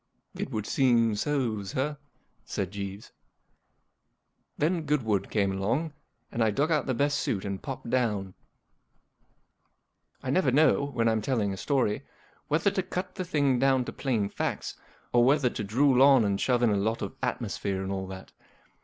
*' It would seem so, sir," said Jeeves. Then Goodwood came along, and I dug out the best suit and popped down. I never know, when I'm telling a story, whether to cut the thing down to plain facts or whether to drool on and shove in a lot of atmosphere and all that.